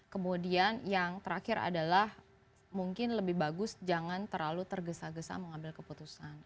kemudian yang terakhir adalah mungkin lebih bagus jangan terlalu tergesa gesa mengambil keputusan